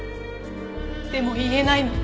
でも言えないの。